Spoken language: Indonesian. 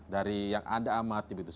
dari yang anda amati begitu